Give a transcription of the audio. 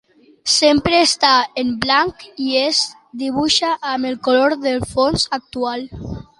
Sempre està en blanc i es dibuixa amb el color de fons actual.